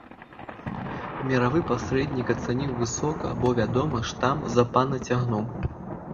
Міравы пасрэднік ацаніў высока, бо вядома ж, там, за пана цягнуў.